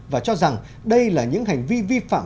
và cho rằng đây là những hành vi vi phạm